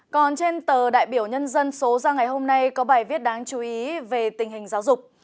còn trên tờ đại biểu nhân dân số ra ngày hôm nay có bài viết đáng chú ý về tình hình giáo dục